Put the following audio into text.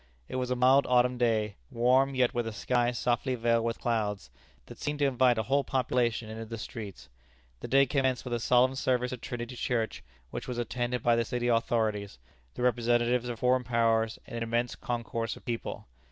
It was a mild autumn day warm, yet with a sky softly veiled with clouds, that seemed to invite a whole population into the streets. The day commenced with a solemn service at Trinity Church, which was attended by the city authorities, the representatives of foreign powers, and an immense concourse of people.